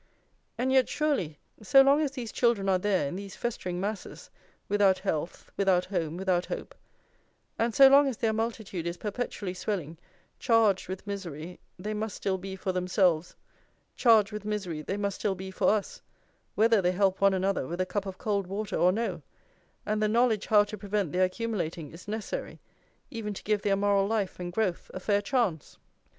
And yet surely, so long as these children are there in these festering masses, without health, without home, without hope, and so long as their multitude is perpetually swelling, charged with misery they must still be for themselves, charged with misery they must still be for us, whether they help one another with a cup of cold water or no; and the knowledge how to prevent their accumulating is necessary, even to give their moral life and growth a fair chance!